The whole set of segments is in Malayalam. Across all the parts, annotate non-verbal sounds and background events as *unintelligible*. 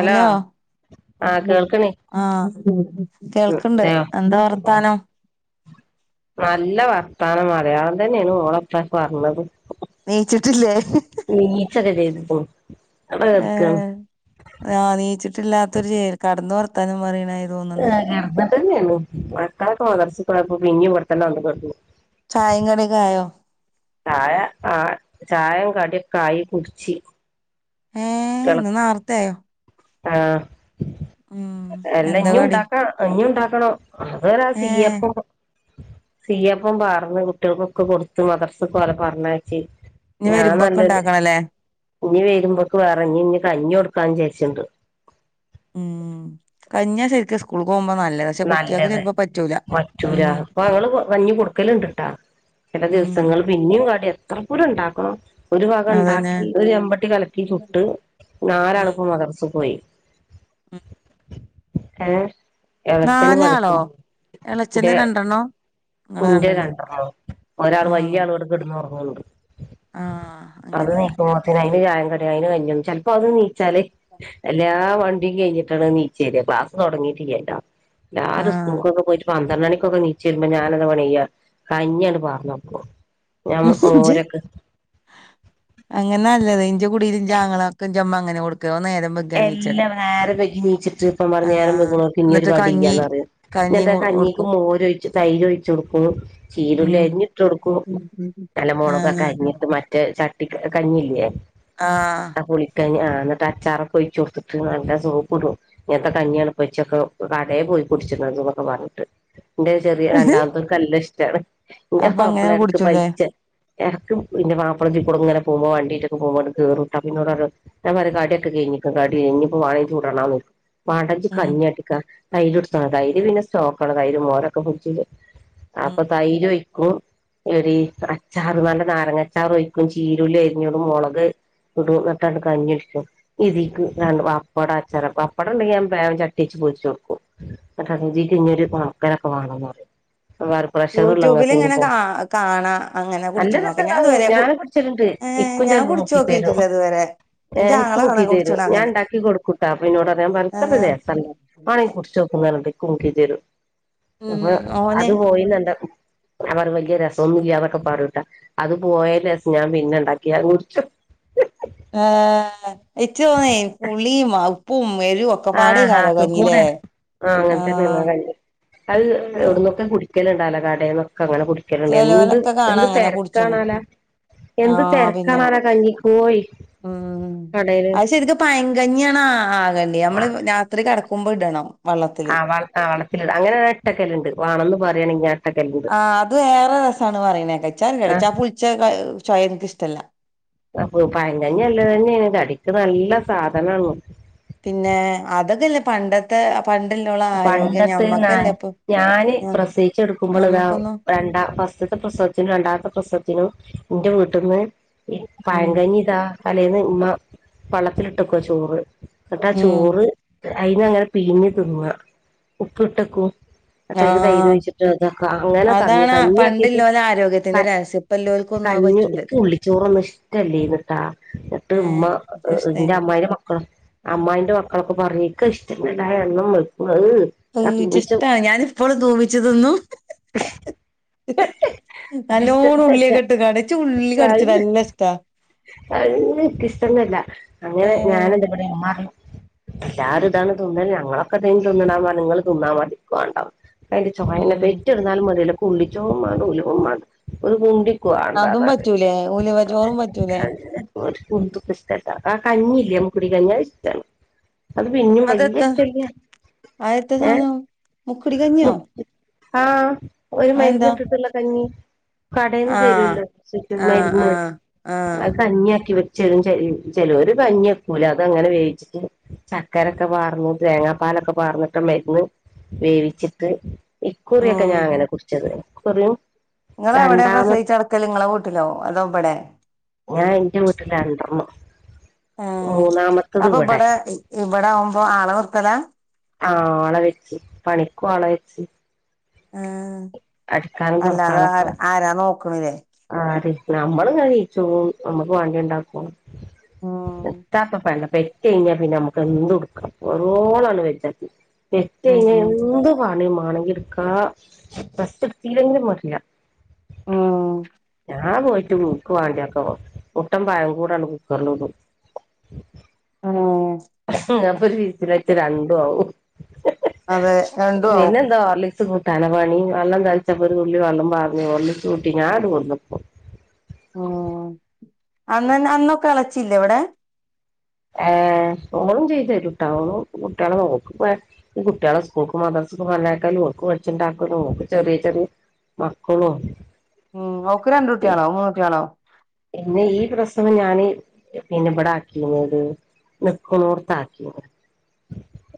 ഹലോ ആ കേൾക്കണേ ആഹ് കേൾക്ക്ണ്ട് അയോ എന്താ വർത്താനം? നല്ല വർത്താനം മലയാളം തന്നെയാണ് മോളേപ്പ പറഞ്ഞത് നീച്ചിട്ടില്ലേ? നീച്ചോക്കെ ചെയ്ത്ക്ക്ണു ഏഹ് ആഹ് നീച്ചിട്ടില്ലാത്തൊരു ചെ *unintelligible* കടന്ന് വർത്താനം പറയണായിരു ഏഹ് കെടന്നിട്ടന്നേള്ളൂ. മക്കളൊക്കെ മദ്രസേ പോയപ്പോ പിന്നിം ഇവടെ തന്നെ വന്നു കെടന്നു. ചായേം കടിം ഒക്കെ ആയോ? ചായ ആഹ് ചായേം കടീ ഒക്കായി കുടിച്ച് ഏഹ് ഇന്നു നേർത്തേയോ? ആഹ് ഉം എല്ലാ എന്താ ഇഞ്ഞും കടി ഉണ്ടാക്കാ. കഞ്ഞി ഉണ്ടാക്കണം. *unintelligible* ഏഹ് സീയപ്പ സീയപ്പം പകർന്ന് കുട്ടികൾക്കൊക്കെ കൊടുത്ത് മദ്രസേ ഇപ്പൊ അവരെ പറഞ്ഞേച്ച് ഇനി ഞാൻ വരുമ്പൊക്കെ നല്ലൊരു. ഇണ്ടാക്കണല്ലേ *unintelligible* വരുമ്പോക്ക് വേറെ ഇഞ് ഇഞ് കഞ്ഞി കൊടുക്കാ എന്ന് വിചാരിച്ചി ഉം. കഞ്ഞിയാ ശരിക്കും സ്കൂള്ക്ക് പോകുമ്പോ നല്ലത്. പക്ഷെ കുട്ടികൾക്ക് ചെലപ്പോ പറ്റ് *unintelligible* വറ്റൂരാ. ഇപ്പൊ ങ്ങള് *unintelligible* കഞ്ഞി കൊടുക്കല് ഒണ്ട്ട്ടാ ചെല ഉം ദെവസങ്ങൾ പിന്നെ എനിയും കാട്ടിയാ എത്ര പൂരം ഉണ്ടാക്കണോ? ഒരു ഭാഗം അതന്നെ ഉണ്ടാക്കി ഒരു ചെമ്പട്ടി കലക്കി ചുട്ട്, ഉം നാലാളപ്പൊ മദ്രസ പോയി. ഉം ഏഹ്‌ നാലാളോ എളച്ചന് രണ്ടെണ്ണം ഇന്റെയ രണ്ടണം ഒരാൾ വലിയ ആഹ് ആള്ട് കിടന്ന്റഞ്ഞുണ്ട് ആഹ് അത് അങ്ങനെ നീക്കുമ്പോത്തേന് അതിന് വ്യായം കടിയ അതിന് കഞ്ഞും ചെപ്പോ അത് നീച്ചാല് എല്ലാ വണ്ടി കഴിഞ്ഞിട്ടാണ് നീച്ചരിയ ക്ലാസ് തുടങ്ങിയിട്ടില്ലല്ലോ എല്ലാരും ആഹ് സ്കൂൾക്കൊക്കെ പോയിട്ട് പന്ത്രണ്ട് മണിയ്ക്കൊക്കെ എണീച്ചി രുന്നു. *unintelligible* *unintelligible* പ്പൊ ഞാനെന്ത് പണി ചെയ്യാ. കഞ്ഞി അങ്ങോട്ട് പകർന്നു വെയ്ക്കുവോ *unintelligible* അങ്ങനെ അല്ലത്. എന്റെ കുടിയിലും എൻജാങ്ങളയ്ക്കും എഞ്ചമ്മ *unintelligible* *unintelligible* അങ്ങനെ കൊടുക്ക. നേരം വ എല്ലാവരും നേരം വൈകി എണീച്ചിട്ട് ഇപ്പ പറഞ്ഞ നേരം ആഹ് വൈകിയവർക്ക് ഇനിയൊരു എന്നിട്ട് *unintelligible* കഞ്ഞി ഇല്ലെന്നു *unintelligible* കഞ്ഞിയും ന്റെ കഞ്ഞിക്ക് കൊടുക്കും മോരൊഴിച്ചു തൈര് ഒഴിച്ചു കൊടുക്കും ചീരല്ല ഉം അരിഞ്ഞി ഇട്ട കൊടുക്കും നല്ല മുളകൊക്കെ ആഹ് അരിഞ്ഞിട്ട് മറ്റേ ചട്ടി കഞ്ഞില്ലേ ആഹ് പുളിക്കാഞ്ഞ ആ എന്നിട്ട് അച്ചാറൊക്കെ ഒഴിച്ചച്ച് കൊടുത്തിട്ട് നല്ല സോപ്പ് ഇടും ഇങ്ങനത്തെ കഞ്ഞി എണുപ്പച്ചൊക്കെ കടയെ പോയി പിടിച്ചന്നൊക്കെ പറഞ്ഞിട്ട് എന്റെ ചെറിയ രണ്ടാമത്തെൊരു കല്ല് ഇഷ്ടാണ് ഇന്റെ അപ്പൊ അങ്ങനെ മാപ്പിള എടക്ക് കുടിച്ചുല്ലേ പൈച്ച ഇറക്കും പിന്നെ മാപ്പളത്തിക്കൂടി ഇങ്ങെ പോപോ വണ്ടിട്ടൊക്കെ പോപോ ക കേറൂട്ട പിന്നോട ഞര കാടിയൊക്കെ കഴിഞ്ഞിക്കടി കഴിഞ്ഞിപ്പോ വാ ചൂടണം വാട ഉം കഞ്ഞട്ടിക്കാ തൈര് എടുത്ത് തൈര്പിന്നെ സ്റ്റോക്കള്ള തൈര് മോരൊക്കെ പൊടിച്ച് ഉം അപ്പൊ തൈര് വയ്ക്കൂ ഒരു അച്ചാറ് നല്ല നാരങ്ങച്ചാർ ഒഴിക്കും ചീരല്ല അരിഞ്ഞൂ മുളക് കുടു നെട്ടാണ്ട് കഞ്ഞി ഇഷ്ടം ഇതി പപ്പട അച്ചാ പപ്പടം ഉണ്ടെിൽ ഞാൻ വേഗം ചട്ടിച്ച് പോച്ച് കൊടുക്കും അ ജി കോ ഒ ഒരു പണക്കെ രക്കവണ മ വ പ്രഷറള്ളങ്ങ യൂട്യൂബിൽ ഇങ്ങനെ കഞ്ഞിപ്പോ കാ കാണാ അങ്ങനെ നല്ല രസം കുടിച്ചണൊക്കെ ഞാൻ ഉണ്ടാവും ഇതുവരെ കു ഞാന് പിടിച്ചിട്ടുണ്ട് ഏഹ് ഇക്കും ഞാൻ ചില നോക്കി തര കുടിച്ചോക്കിട്ടില്ല ഇതുവരെ ഏ ഇന്റെ ആങ്ങള കാണാ മുക്കി തര കുടിച്ച്ണ ഞാ അങ്ങനെ ഉണ്ടാക്കി കൊടുക്കൂട്ടാ അപ്പൊ ഇോട് അറിയൻ ഭയത്ര ഏഹ് രസല്ലേ ആണങ്ക കുടച്ച് നോക്കുന്ന കക്കി തരും ഉം അപ്പൊ ഓന് അത് പോയി നന്ത അവർ വലിയ രസമൊന്ന ഇില്ലാതൊക്കെ പറൂട്ടാ അത് പോയല് ഞാൻ പിന്നെ ഉണ്ടാക്കിയ കുറിച്ചു ആഏ ഏറ്റവും തോന്ന പുളിയും ഉപ്പും മരും ഒക്കെ ആഹഹ പാടേക്കാരം കൂടെ കഞ്ഞിലേ ആ അങ്ങനെത്തന്നെയ ആഹ് ക അത് ചെ എവിടുന്നൊക്കെ കുടിക്ക മുക്കലുണ്ടാലാടേൊെ അങ്ങനെ കു ണ്ട് എന്ത് ചെലോലൊക്കെ കാണാ എന്ത് അങ്ങനെ കുടിച്ച്ണ് തിരക്കണാലാ എന്ത് ആഹ് പിന്നെ തിരക്കാണാലാ കഞ്ഞി കോഴി ഉം അത് ശരിക്കും പയങ്കഞ്ഞാണ് ആകണ്ടേ നമ്മള് രാത്രി കടക്ക കുമ്ഭിടണം ആ വളത്തില അങ്ങനെ ഇട്ടൊക്കെല്ല ഉണ്ട് വേണം എന്ന് പറയയാണെങ്കാ ആഹ് അത് വേറെ രസമാണ് പറയനേ കച്ചാൽ ആഹ് കടച്ചാ പുളിച്ച ചായ എനിക്കഷ്ടല്ല അപ്പൊ പയകഞ്ഞി നല്ലതന്നെയാ കടിക്ക് നല്ല സാധനാണ് പിന്നെ അതൊക്കെല്ലേ പണ്ടത്തെ പണ്ടില്ലോള ആരോഗ്യം പണ്ടത്ത് നാൻ ഞമ്മക്കല്ലേ ഇപ്പൊ ഞാന് ആഹ് പ്രസയിച്ച് കെടുക്കുമ്പള് ഇതാ ഞമ്മക്കൊന്നും രണ്ടാം ഫസ്റ്റത്ത പ്രസവ രണ്ടാമത്തെ പ്രസത്തിനും എന്റെ വീട്ടിന്ന് ഈ ഉം പഴങ്കഞ്ഞി താ തലേന്ന് ഉമ്മ വള്ളത്തിലിട്ടക്കുവ ചോറ് എന്നിട്ടാ ഉം ചോറ് അയിന് അങ്ങന പിയിഞ്ഞ് തിന്ന ഉപ്പ് ഇട്ടക്കും എന്നിട്ടയ്ക്ക് തൈര് ആഹ് ഒഴിച്ചിട്ട് അതൊക്കെ അങ്ങനെ കഞ്ഞി അതാണ് കഞ്ഞിയാക്കിട്ട് പണ്ടില്ലോലെ ആരോഗ്യത്തിന്റെ രഹസ്യം ഇപ്പല്ലോൽക്കൊന്നും അത് കഞ്ഞി പറ്റൂല ഇക്ക് ഉള്ളിച്ചോറൊന്നും ഇഷ്ടല്ലേര്ന്ന്ട്ടാ എന്നിട്ട് ഏഹ് ഉമ്മ എന്റെ ഇൻക്കിഷ്ടായിന് അമ്മായിരെ മക്ക കള അമ്മായിന്റെ മക്കളൊക്കെ പറ ഇക്ക് ഇഷ്ട *unintelligible* എന്നും വെക്കണത് ആ ഇച്ച് തുമ്മിച്ച ഇഷ്ടാ ഞാാനിപ്പോള് തൂമിച്ച് തിന്നു നല്ലോണു എനിക്കിഷ്ടല്ല ഉള്ളിയൊക്കെ ഇട്ട് കടിച്ചു ഉള്ളി കടിച്ചു നല്ല ഇഷ്ടാ *unintelligible* ഇഷ്ടൊന്നുല്ല അങ്ങനെ ഏഹ് ഞാനെന്ത ഉമ്മ പറയും എല്ലാരും ഇതാണ് തിന്നൽ ഞങ്ങളൊക്കെ അതി തിന്നണാമ്പ നിങ്ങൾ തിന്നാ മതി ക്ക് വേണ്ടാ അതിന്റെ ചോയനെ ഉം പെറ്റ് ന്നാലും വേണ്ടില്ല ക്ക് ഉള്ളിച്ചോറും വേണ്ട ഉലുവും വേണ്ട *unintelligible* ക്ക് അതും വാണ്ടന്നറയും പറ്റൂലേ ഉലുവ ചോറും പറ്റൂലേ ഒരു കുന്തുക്കും ഇഷ്ടല്ല ആ കഞ്ഞി ഇല്ലേ മ്മ കുടിക്ക കഞ്ഞി ഇഷ്ടാണ് അത് പിന്നും വലിയ ഇഷ്ടില്ല ആയത്തെ സാധനം മുക്കടി മു കഞ്ഞിയോ ആഹ് ഒരു മരുന്ന് അതെന്താ ഇട്ടിട്ടുള്ള കഞ്ഞി കടയിന്ന് ആഹ് തരോല്ലോ *unintelligible* ആഹ് മരുന്ന് ആഹ് ആഹ് കഞ്ഞിയാക്കി വെ ചെറും ചെ ചെലൊരു പഞ്ഞിയാക്കൂല അത് അങ്ങനെ വേവിച്ചിട്ട് ചക്കരക്ക് വാർന്നു തേങ്ങാ പാലൊക്കെ പാർന്നിട്ട് മരുന്ന് വേവിച്ചിട്ട് ഇക്കുറിയൊക്കെ ഉം ഞാൻ അങ്ങനെ കുടിച്ചത് പറയൂ നിങ്ങള് എവിടെ പ്രസവിച്ച് കെടക്കല് നിങ്ങള വീട്ടിലോ അതോ ഇബിടെ ഞാൻ എന്റെ വീട്ടിലാണ്ടരുന്നു മൂന്നാമത്തേത് ഇവിടെ ഇവിടെ ആവുമ്പോ ആള നിർത്തലാ ആഹ് ആള വെച്ച് പണിക്കും ആള വെച്ച് ആഹ് അടിക്കാനും അല്ലാതെ ആ തുറക്കാനൊക്കെ ആരാ നോക്കണ്ല്ലേ ആര് നമ്മള് കഴിച്ചും നമ്മുക്ക് വാണ്ടി ഉണ്ടാക്കും ഉം *unintelligible* *unintelligible* പണി ഉം മാണെങ്കിയെടുക്കാം റസ്റ്റെടുത്തില്ലെങ്കിലും വേണ്ടില്ല ഉം ഞാൻ പോയിട്ട് ക്ക് വേണ്ടിയ ഒക്കെ വാ പുട്ടും പഴം കൂടാണ് കുക്കറി *unintelligible* ആഹ് ഞപ്പൊ *unintelligible* രണ്ടും ആവും അതെ രണ്ടും ആവും പിന്നെന്താ ഹോർലി പണി വെള്ളം തളിച്ചപ്പോ ഒരു തുള്ളി വെളളം *unintelligible* ഉം അന്നന്ന അന്നൊക്കെ അളച്ചില്ലെ ഇവിടെ ഏഹ് ഓളും ചെയ്തു തരും ട്ടോ ഓളും കുട്ടികളെ നോക്ക്ന്നേ ഈ കുട്ടികളെ സ്കൂൾക്ക് മദർസെ മല്ലക്കാലും ഓക്ക് വെച്ചുണ്ടാക്കലും ഓക്ക് ചെറിയ ചെറിയ മക്കളോ ഉം ഓക്ക് രണ്ട് കുട്ടികളോ മൂന്നുട്ടിയളോ പിന്നെ ഈ പ്രസവം ഞാന് പിന്ന ഇബിടാക്കിയിരുന്നത് നിക്ക്ണോർത്താക്കിണ്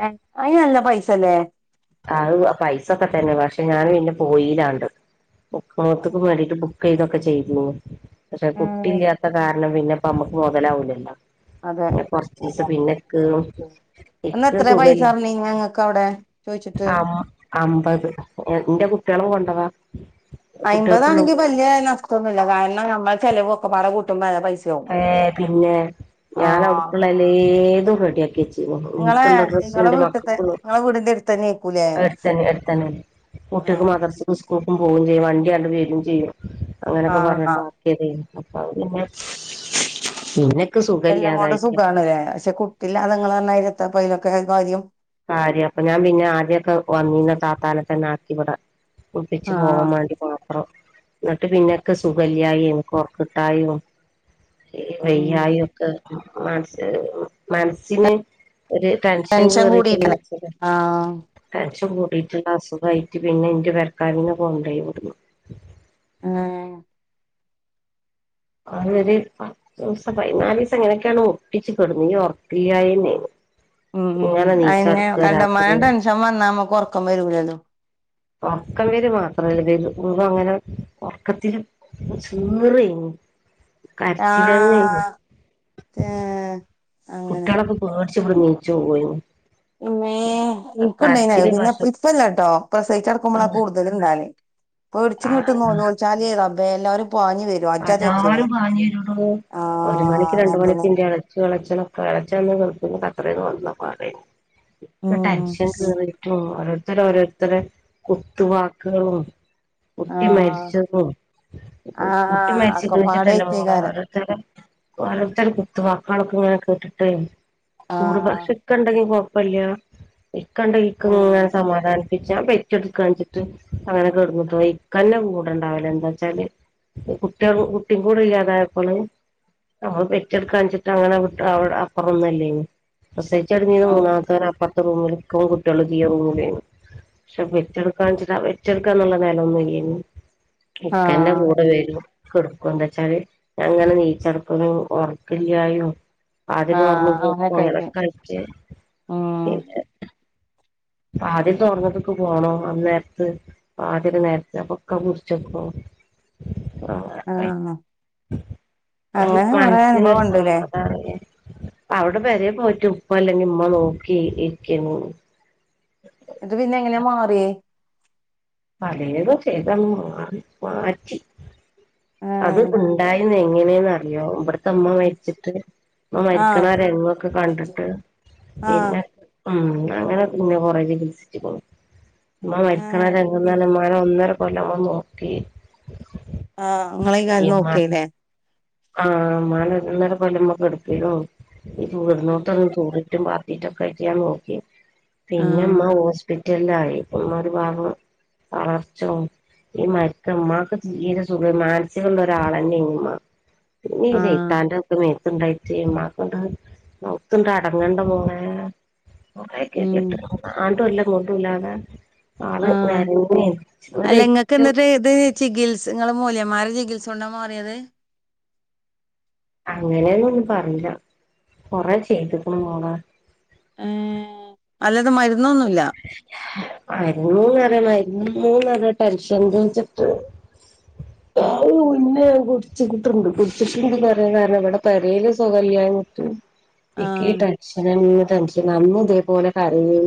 ഹെ അയിനല്ല പൈസല്ലേ? അത് പൈസൊക്കെ തന്നെ പക്ഷെ ഞാന് പിന്നെ പോയിലാണ്ട്. നിക്ക്ണോട്ത്ത്ക്ക് വാണ്ടിട്ട് ബുക്ക് ചെയ്തൊക്കെ ചെയ്യ്തിന്നു. പക്ഷെ കുട്ടി ഇല്ലാത്ത കാരണം പിന്നെപ്പ നമ്മുക്ക് മുതലാവില്ലല്ലോ അതെ പിന്നെ കൊറച്ചിസം പിന്നെക്ക് അന്ന് ഇക്ക് എത്ര പൈസ സുഖല്ല പറഞ്ഞ് ഞങ്ങക്ക് അവ്ടെ അം അമ്പത് ഇന്റെ കുട്ട്യേളും കൊണ്ടവാ കുട്ടികൾക്കുള്ള അയിമ്പതാണെങ്കിൽ വല്ല്യനഷ്ട്ടൊന്നില്ല കാരണം നമ്മളെ ചെലവൊക്കപ്പാടെ കൂട്ടുമ്പേ നല്ലപൈസ ഏ പിന്നെ ഞാന് ആഹ് അവ്ട്ക്ള്ളഎലെതും റെഡിയാക്കിയച്ചിന്നു. ഇങ്ങളെ ഇന്ക്കുള്ള ഡ്രസ്സും ഇങ്ങളെ ഇന്റെ വീട്ട്ത്തെ മക്കക്കുള്ളേം ഇങ്ങളെ വീടിന്റെ അടുത്തന്നെ ആയിക്കൂലേ എടുത്തെന്നെ എടുത്തന്നെ കുട്ട്യേക്ക് ആഹ് മദ്ർസുക്കും സ്കൂ സ്‌കുക്കും പോവുംചെയ്യും, വണ്ടി അണ്ട് വരും ചെയ്യും, അങ്ങനെയൊക്കെ ആഹ് ആഹ് പറഞ്ഞിട്ടാക്കിയതേനും അപ്പപ്പിന്നെ *inaudible* പിന്നെ എല്ലങ്ങോണ്ടും സുഖാണ്ലെ പക്ഷെ കുട്ടില്ലാതേ ഇങ്ങള്റഞ്ഞയിരി എത്താപ്പെ അയിലൊക്കെ കാര്യം കാര്യം അപ്പൊ ഞാൻ പിന്നെ ആദ്യഒക്കെ വന്നീന്ന ത്താത്താന തന്നെ ആക്കി ഇവടെ കുൾപ്പിച്ച് പോവാൻ ആഹ് മാണ്ടി മാത്രം എന്നിട്ട് പിന്നെ ഇക്ക് സുഖല്യായിം ഇക്ക് ഒറക്ക് കിട്ടായിം ഈ ഉം വയ്യായിം ഒക്കെ മൻസ്സ് മനസ്സിന് ഒരു ടെൻഷൻ കേറിട്ടില്ലച്ചത് ആഹ് ടെൻഷൻ കൂടീട്ട്ള്ള അസുഖായിട്ട് പിന്നെ ഇന്റെ പെരക്കാരെന്നെ കൊണ്ടോയി വിട്ന്ന് ആഹ് അതൊരൂ പത്തോസം പതിനാലിസം എങ്ങനെയൊക്കെണൊ ഒപ്പിച്ച് കെട്ന്നിനു ഒറക്കീല്യായിനെനു ഉം ഉം അയനെ രാത്രി കണ്ടമാനം ടെൻഷൻ വന്നാ നമ്മ്ക്ക് ഉറക്കം വരൂലല്ലോ? ഒറക്കം വര്മാത്രല്ല നിക്കുമ്പോ അങ്ങനെ ഉറക്കത്തില് ചീറയ്ന്നു കരച്ചിലന്നെയ്നു ഏയ് കുട്ട്യോളൊക്കെ പേടിച്ച് ഇവിടെന്നിച്ചു പോവേന്നു. ഇമ്മീ ഇന്ക്ക്ണ്ടായിനിയത് പിന്നെ പക്ഷെ ഇപ്പല്ലട്ടോ പ്രസവിച്ചുക്കെടുക്കുമ്പോളാ കൂടുതല് ഇണ്ടായല് പേടിചിങ്ങിട്ട് ആഹ് നോലോൽച്ചാല് റബ്ബേ എല്ലാരും പാഞ് വരും അജ്ജാതി എല്ലാരും ഒച്ചേക്കാരം പാഞ്ഞിരെടോ ഒരു ആഹ് മണിക്കും രണ്ട് അങ്ങൻത്തന്നെ മണിക്കിന്റെ എള ളചിഎളച്ചൊനോക്ക ഏളച്ചൻ അന്ന് ഗൾഫ്ന്ന് കത്തറ്ന്നു വന്ന പാടേനി ഉം ടെൻഷൻ കേറ്ണ് ഉും ഓരോരുത്തരെ ഓരോരുത്തരെ കുത്തുവാക്കുകളും കുട്ടി ആഹ് മരിച്ചതും കുട്ടി ആഹ് മരിച്ചിക്ണ്ച്ചിട്ട് ഒക്കപ്പാടായിട്ടേക്കാരം എല്ലാരെ തരെ ഓരോരുത്തരെ കുത്തുവാക്ക്ളൊക്കെ ഇങ്ങനെ കേട്ടിട്ട് കൂടെ ആഹ് പക്ഷെ ഇക്കണ്ടെങ്കില് കൊഴപല്ല്യ ഇക്കണ്ടെങ്കി ഇക്ക ഉം ഇങ്ങനെ സമാധാനി ഞാൻ പെറ്റെട്ക്കാണ്ച്ചിട്ട് അങ്ങനെക്കെടുന്ന്ട്ടോയി ഇക്കന്റെ കൂടെ ഇണ്ടാവല് എന്താച്ചാല് ഈ കുട്ട്യേള് കുട്ടീംകൂടെ ഇല്ലാതായപ്പോള് നമ്മള് പെറ്റെടുക്കാഞ്ചിട്ടെങ്ങനെ വിട്ട് അവ്ടെ അപ്പറൊന്നല്ലേന് പ്രസവിച്ചട്നീന്ന് ആഹ് മൂന്നാമത്തോനെ അപ്പറത്ത് റൂമില്ക്കും കുട്ടികള് ഈ റൂമിലേന് പക്ഷെ പെറ്റെടുക്കാൻചിട്ട് അപെറ്റെടുക്കാന്നുള്ള ന്നെലൊന്നില്ലേനൂ ഇക്കന്നെകൂ ആഹ് കെടുക്കും എന്താച്ചാല് ഞൻ ഇങ്ങനെ ന്നീച്ച്ട്ക്കലും ഒറക്കില്ലായും വാതില് ആഹ് തുറന്ന് പോക്കും അങ്ങനെയൊക്കെ അങ്ങനെ ആയിട്ട് കയിറ്റ് ഉം പിന്നെ വാദില് തൊറന്നിട്ട്ക്ക് പോണം അന്നേര്ത്ത് പാതിര നേരത് അപ്പോക്ക പിട്ച്ചേക്കും ആ അനുഭവം മൻസ്സിനൊരു ഉണ്ട്ല്ലേ സമാദാനല്ലേ അവടെ പൊരേ പോയിട്ട് ഉപ്പ അല്ലെങ്കി ഉമ്മ നോക്കി ഇരിക്കേന്നു അത് പിന്നെ എങ്ങനെ മാറിയേ പലേതും ചെയ്തങ്ങ് മാറി മാറ്റി അത് ആഹ് ഉണ്ടായി ത് എങ്ങനെന്നറിയോ ഉമ്മ മരിച്ചിട്ട് ഉമ്മ ആഹ് മരിക്ക്ണ ആ രങ്ങൊക്കെ കണ്ട്ട്ട് ആഹ് പിന്നെ ഉം അങ്ങനെന്നെ കൊറേ ചികിൽസിച്ച്ക്ക്ണ് ഉമ്മ മരിക്ക്ണ ആ ആഹ് രംഗന്ന് പർഞ്ഞാ ഉമ്മാനെ ഒന്ന് ഒന്നരക്കൊല്ലം മ്മള് നോക്കി ആ ഇങ്ങളേക്കാരം നോക്കിയെ ലെ ആ ഇമ്മാനെ ഒന്നര കൊല്ലം, *unintelligible* പാ ആഹ് *unintelligible* വെച്ചുഞാൻ നോക്കി പിന്നെ ഇമ്മ ഹോസ്പിറ്റൽലായി ഇമ്മ ഒരു ഭാഗം *unintelligible* ഈ, *unintelligible* ഇമ്മാക്ക് തീരെ സുഖല്ല. മാൻസികള്ള ഒരാളന്നെനി ഇമ്മാ പിന്നെ ഈ ആഹ് ശൈത്തന്റെ ഇത് മേ ത്ത് ണ്ടായിട്ടേ *unintelligible* കൊറേ ഉം കെദിയട്ട് ആണ്ടുല്ല ഇങ്ങട്ടുല്ലാതെ ആള് നേര്ങ്ങെനി *unintelligible* ന്നട്ട് ഇത് ചികിത്സ, ഇങ്ങള് മൂല്യേമാരെ ചികിത്സകൊണ്ടാമാറിയത് അങ്ങനെന്നും പറീല കൊറെ ചെയ്ത് ക്ക്ണ് മോളേ ഏ അല്ലാതെ മരുന്നൊന്നുല്ല മര്ന്ന് ന്നറിയ മര്ന്ന്ന്നറിയ ടെൻഷൻ *unintelligible* *unintelligible* പിന്നെ കുട്ച്ചിട്ടുണ്ട് *unintelligible* ഇവടെ പെരേല്സുഖല്ല്യാഞ്ഞിട്ട് ഇക്കീ ആഹ് ടെൻഷന ടെൻഷൻ അന്നും ഇതേപോലെ കര്ഞ്ഞി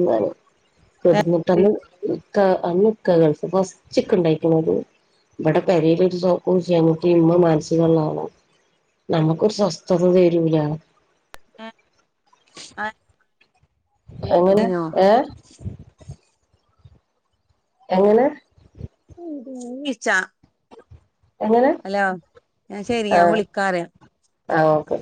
തെ *unintelligible* ഇക്ക അന്ന് ഇക്ക ഗൾഫ് ഫസ്റ്റ് ഇക്ക ഇണ്ടായിക്ക്ണ്ത് ഇവടെ പെരേല് *unintelligible* ഇമ്മ മാൻസിക ഇള്ള ആളാ നമുക്കൊരു സ്വസ്ഥത തരൂല ആ എങ്ങനെ ഏ എങ്ങനെ ഈച്ച എങ്ങനെ ഹലോ, ന്നാ ശരി ഞാൻ വിളിക്കാ പറയ ആ ഓക്കെ